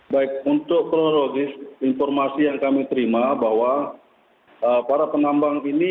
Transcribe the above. baik untuk kronologis informasi yang kami terima bahwa para penambang ini